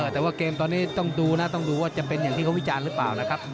แต่ว่าเกมตอนนี้ต้องดูนะต้องดูว่าจะเป็นอย่างที่เขาวิจารณ์หรือเปล่านะครับ